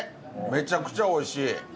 めちゃくちゃおいしい。